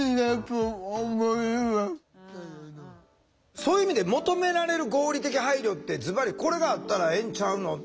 そういう意味で求められる合理的配慮ってズバリこれがあったらええんちゃうのって？